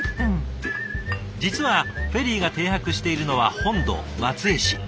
実はフェリーが停泊しているのは本土松江市。